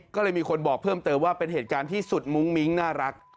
ก็เลยมีคนบอกเพิ่มเติมว่าเป็นเหตุการณ์ที่สุดมุ้งมิ้งน่ารัก